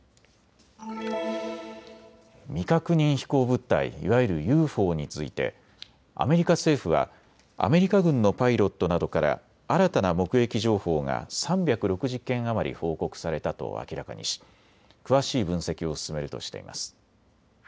未確認飛行物体、いわゆるＵＦＯについてアメリカ政府はアメリカ軍のパイロットなどから新たな目撃情報が３６０件余り報告されたと明らかにし詳しい分析を進めるとしています。